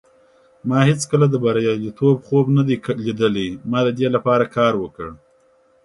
ما هیڅکله د بریالیتوب خوب نه دی لیدلی. ما د دې لپاره کار وکړ.